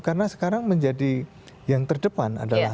karena sekarang menjadi yang terdepan adalah